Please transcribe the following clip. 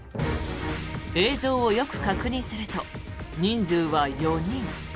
映像をよく確認すると人数は４人。